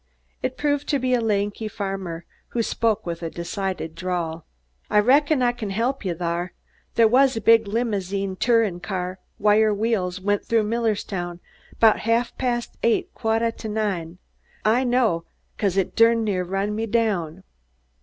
It proved to be a lanky farmer, who spoke with a decided drawl. "I reckon I kin help ye thar. They was a big limozine tourin' car with wire wheels went through Millerstown 'bout ha'f past eight, quat' t' nine. I know, 'cause it durn near run me down."